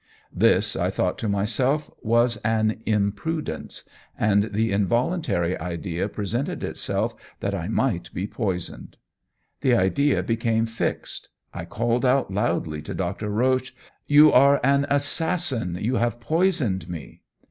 This, I thought to myself, was an imprudence, and the involuntary idea presented itself that I might be poisoned. The idea became fixed; I called out loudly to Dr. Roche, 'You are an assassin; you have poisoned me!'